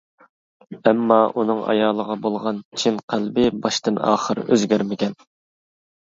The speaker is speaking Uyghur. ئەمما ئۇنىڭ ئايالىغا بولغان چىن قەلبى باشتىن-ئاخىر ئۆزگەرمىگەن.